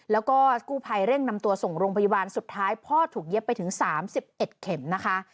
แล้วก็กู้ภัยเร่งนำตัวส่งโรงพยาบาลสุดท้ายพ่อถูกเย็บไปถึง๓๑เข็มนะคะ